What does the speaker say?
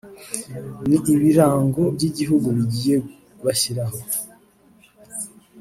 ni ibirango by’igihugu bagiye bashyiraho